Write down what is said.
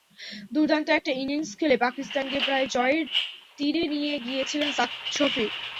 দুর্দান্ত একটা ইনিংস খেলে পাকিস্তানকে প্রায় জয়ের তীরে নিয়ে গিয়েছিলেন শফিক।